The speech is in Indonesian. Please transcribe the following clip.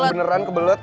orang beneran kebelet